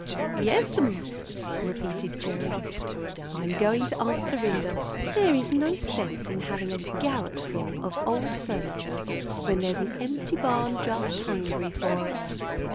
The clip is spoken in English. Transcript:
"Yes'm," repeated Gerry. "I'm going to Aunt Serinda. There is no sense in having a garret full of old furniture when there's an empty barn just hungry for it.